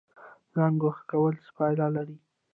ځان ګوښه کول څه پایله لري؟